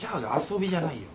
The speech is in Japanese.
遊びじゃないよ。